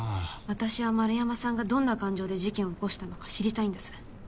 私は円山さんがどんな感情で事件を起こしたのか知りたいんです。